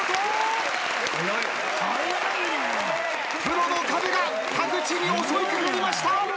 プロの壁が田口に襲い掛かりました。